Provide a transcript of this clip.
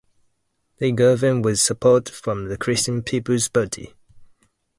They govern with support from the Christian People's Party.